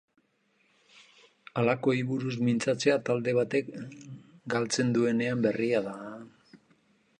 Halakoei buruz mintzatzea talde batek galtzen duenean berria da.